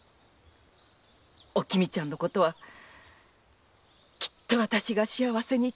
おきみちゃんのことはきっとわたしが幸せにいたしますよ。